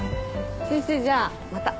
先生じゃあまた。